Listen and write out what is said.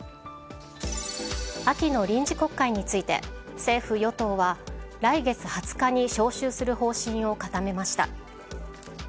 秋の臨時国会について政府・与党は来月２０日に召集する方針を固めました。